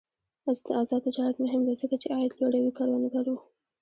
آزاد تجارت مهم دی ځکه چې عاید لوړوي کروندګرو.